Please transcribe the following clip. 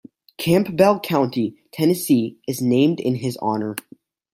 Campbell County, Tennessee, is named in his honor.